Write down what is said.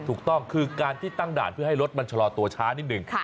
ถูกต้องคือการที่ตั้งด่านเพื่อให้รถมันชะลอตัวช้านิดนึง